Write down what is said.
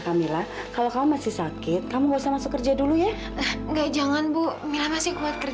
camilla keluar dari kontrakannya